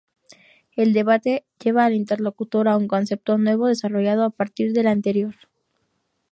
El debate lleva al interlocutor a un concepto nuevo desarrollado a partir del anterior.